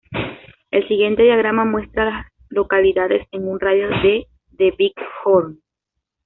El siguiente diagrama muestra a las localidades en un radio de de Big Horn.